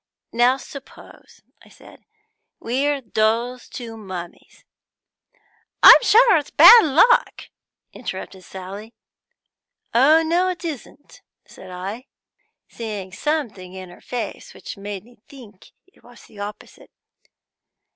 Now, suppose,' I said, 'we're those two mummies ' 'I'm sure it's bad luck!' interrupted Sally. 'Oh no, it isn't,' said I, seeing something in her face which made me think it was the opposite.